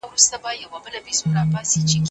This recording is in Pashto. آیا په رښتیا ستاسو دومره بیړه ده؟